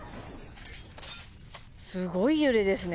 すごい揺れですね。